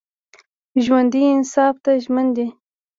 ژوندي انصاف ته ژمن دي